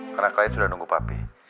karena klien sudah nunggu papi